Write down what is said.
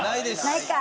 ないか。